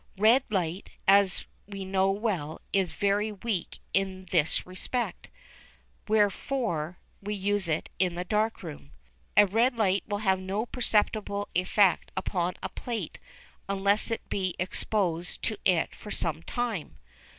Red light, as we know well, is very weak in this respect, wherefore, we use it in the dark room. A faint red light will have no perceptible effect upon a plate unless it be exposed to it for some time.